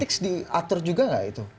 x diatur juga nggak itu